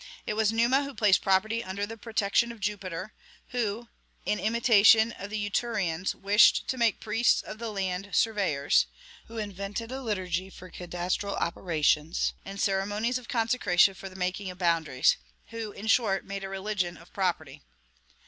It was Numa who placed property under the protection of Jupiter; who, in imitation of the Etrurians, wished to make priests of the land surveyors; who invented a liturgy for cadastral operations, and ceremonies of consecration for the marking of boundaries, who, in short, made a religion of property.